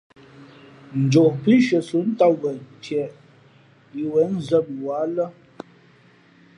Njoʼ pí nshʉαsǒm ntām wen ntieʼ yi wěn nzᾱ mαwǎ lά.